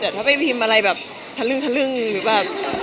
แต่ถ้าไปพิมพ์อะไรแบบทะลึ่งทะลึ่งหรือแบบ